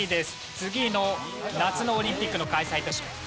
次の夏のオリンピックの開催都市。